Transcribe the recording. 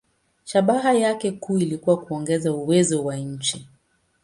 Shabaha yake kuu ilikuwa kuongeza uwezo wa nchi.